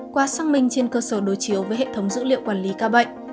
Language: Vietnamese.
qua xác minh trên cơ sở đối chiếu với hệ thống dữ liệu quản lý ca bệnh